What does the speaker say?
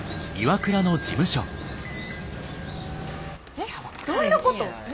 えっどういうこと？